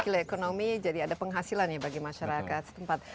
skill ekonomi jadi ada penghasilan ya bagi masyarakat setempat